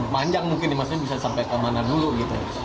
panjang mungkin maksudnya bisa sampai kemana dulu gitu